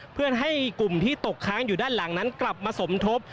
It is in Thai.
เพื่อให้กลุ่มที่ตกค้างอยู่ด้านหลังนั้นกลับมาสมทบ